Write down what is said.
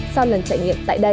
sau lần trải nghiệm tại đây